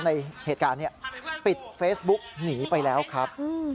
ในเหตุการณ์นี้ปิดเฟซบุ๊กหนีไปแล้วครับ